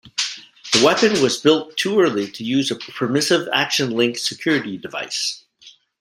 The weapon was built too early to use a permissive action link security device.